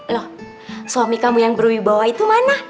loh suami kamu yang berwibawa itu mana